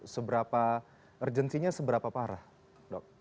seberapa urgensinya seberapa parah dok